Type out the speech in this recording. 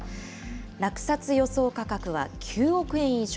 落札予想価格は９億円以上。